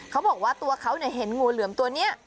เขาบอกว่าตัวเขาเห็นงูเหลือมตัวนี้